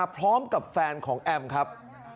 พร้อมกับแฟนของแอมครับ